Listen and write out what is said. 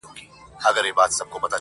دا غزل مي رندانه او صوفیانه دی.